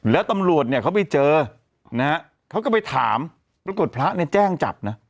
แล้วตำรวจเนี่ยเขาไปเจอนะฮะเขาก็ไปถามปรากฏพระเนี่ยแจ้งจับนะ